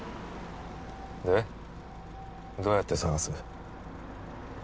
でどうやって捜す？